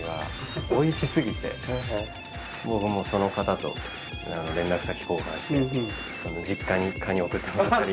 僕もうその方と連絡先交換して実家にカニ送ってもらったり。